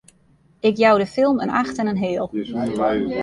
Ik jou de film in acht en in heal!